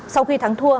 sau khi thắng thua